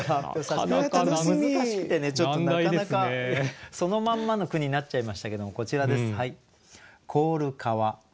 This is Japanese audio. そのまんまの句になっちゃいましたけどもこちらですはい。